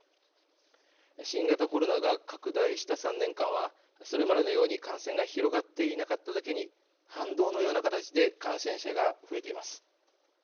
新型コロナが拡大した３年間はそれまでのように感染が広がっていなかっただけに反動のような形で感染者が増えています。